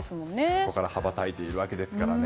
そこから羽ばたいているわけですからね。